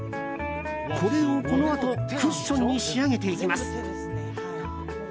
これをこのあとクッションに仕上げていきます。